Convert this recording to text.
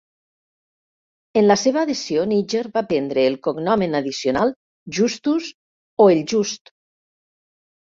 En la seva adhesió, Niger va prendre el cognomen addicional "Justus", o "El Just".